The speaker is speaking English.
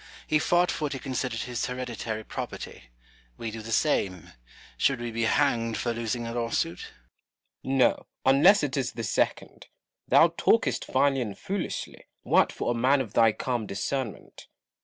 He fought for what he considered his hereditary property ; we do the same : should we be hanged for losing a lawsuit 1 Cromwell. No, unless it is the second. Thou talkost finely and foolishly, Wat, for a man of thy calm discern ment.